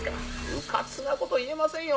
うかつなこと言えませんよ